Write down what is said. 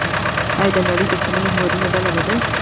آیا دا د نړۍ د شتمنو هیوادونو ډله نه ده؟